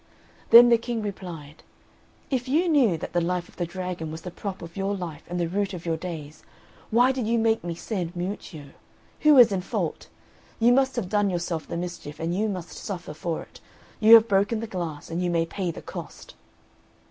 Then the King replied, "If you knew that the life of the dragon was the prop of your life and the root of your days, why did you make me send Miuccio? Who is in fault? You must have done yourself the mischief, and you must suffer for it; you have broken the glass, and you may pay the cost."